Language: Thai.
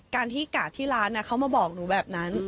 การที่กาดที่ร้านเขามาบอกหนูแบบนั้น